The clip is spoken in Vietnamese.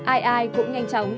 ai ai cũng nhanh chóng